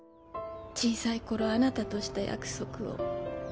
小さい頃あなたとした約束を」